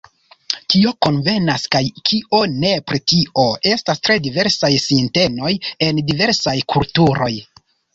Kio konvenas kaj kio ne, pri tio estas tre diversaj sintenoj en diversaj kulturoj.